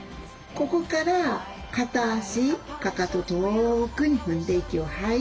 ここから片足かかと遠くに踏んで息を吐いて。